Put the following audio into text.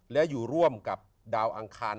และอยู่ร่วมกับดาวอังคาร